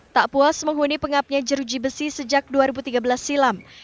tak puas menghuni pengapnya jeruji besi sejak dua ribu tiga belas silam